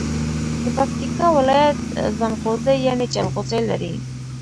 د پکیتکا ولایت زنغوزي یعنی جلغوزي لري.